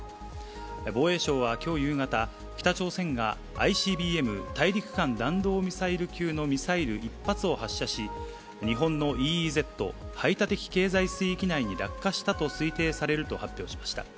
防衛省はきょう夕方、北朝鮮がＩＣＢＭ・大陸間弾道ミサイル級のミサイル１発を発射し、日本のＥＥＺ・排他的経済水域内に落下したと推定されると発表しました。